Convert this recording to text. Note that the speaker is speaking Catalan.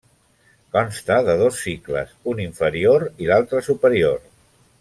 Consta de dos cicles, un inferior i l'altre superior.